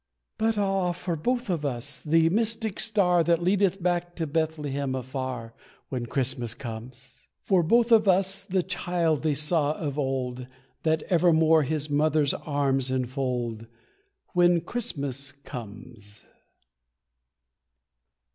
But ah, for both of us the mystic star That leadeth back to Bethlehem afar, When Christmas comes. For both of us the child they saw of old, That evermore his mother's arms enfold, When Christmas comes.